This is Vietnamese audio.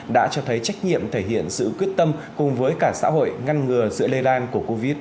đã cho thấy trách nhiệm thể hiện sự quyết tâm cùng với cả xã hội ngăn ngừa sự lây lan của covid một mươi chín